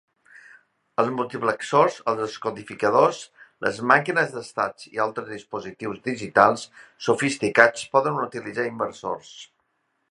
Els multiplexors, els descodificadors, les màquines d'estats i altres dispositius digitals sofisticats poden utilitzar inversors.